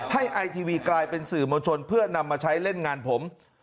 ไอทีวีกลายเป็นสื่อมวลชนเพื่อนำมาใช้เล่นงานผม